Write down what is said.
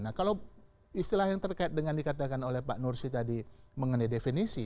nah kalau istilah yang terkait dengan dikatakan oleh pak nursi tadi mengenai definisi